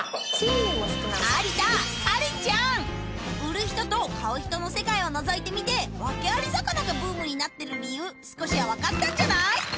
有田カレンちゃん売る人と買う人の世界をのぞいてみてワケアリ魚がブームになってる理由少しは分かったんじゃない？